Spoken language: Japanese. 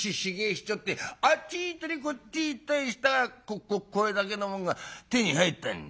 ひっちょってあっち行ったりこっち行ったりしたからこっこっこれだけのもんが手に入ったんだ。